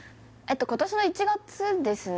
今年の１月ですね